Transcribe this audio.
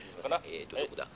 えっとどこだ？